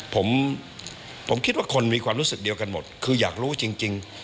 ผมผมคิดว่าคนมีความรู้สึกเดียวกันหมดคืออยากรู้จริง